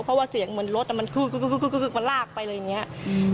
เพราะว่าเสียงเหมือนรถมันคลืนลากไปเลยนะครับ